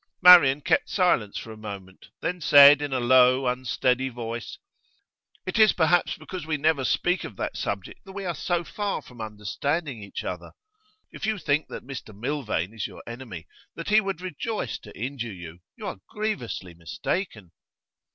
Marian kept silence for a moment, then said in a low, unsteady voice: 'It is perhaps because we never speak of that subject that we are so far from understanding each other. If you think that Mr Milvain is your enemy, that he would rejoice to injure you, you are grievously mistaken.